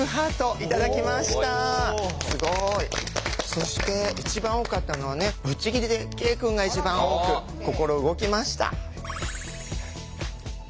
そして一番多かったのはねぶっちぎりで慶くんが一番多く心動きました。